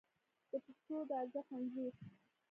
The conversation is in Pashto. د پښتو د ارزښت انځور